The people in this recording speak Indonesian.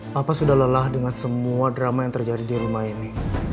bapak sudah lelah dengan semua drama yang terjadi di rumah ini